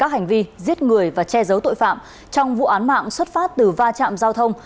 hành vi giết người và che giấu tội phạm trong vụ án mạng xuất phát từ va chạm giao thông